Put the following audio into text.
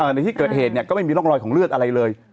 ในที่เกิดเหตุก็ไม่มีร่องรอยของเลือดอะไรเลย